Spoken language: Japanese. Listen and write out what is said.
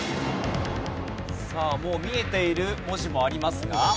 さあもう見えている文字もありますが。